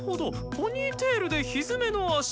ポニーテールでひづめの足。